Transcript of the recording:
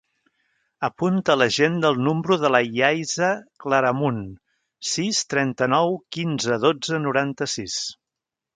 Apunta a l'agenda el número de la Yaiza Claramunt: sis, trenta-nou, quinze, dotze, noranta-sis.